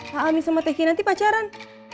pak amin sama teh kinanti pacaran